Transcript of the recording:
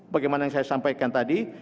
bagaimana yang saya sampaikan tadi